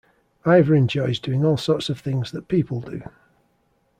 Ivor enjoys doing all sorts of things that people do.